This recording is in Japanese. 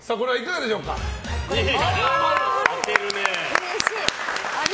うれしい！